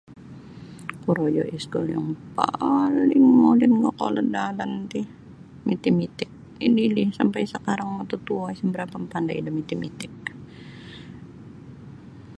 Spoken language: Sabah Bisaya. Kurojo iskul ni yang um molin kokolod da alan ti mitimitik ililih sampai sekarang matutuo isa berapa mempandai da mitimitik